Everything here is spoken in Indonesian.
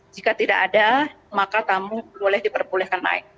jika tidak ada maka tamu boleh diperbolehkan naik